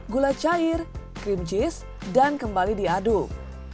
gula cair cream cheese dan kembali diaduk